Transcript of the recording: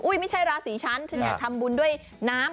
ไม่ใช่ราศีฉันฉันอยากทำบุญด้วยน้ำ